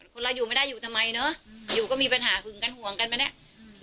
คนเราอยู่ไม่ได้อยู่ทำไมเนอะอยู่ก็มีปัญหาหึงกันห่วงกันไหมเนี้ยอืม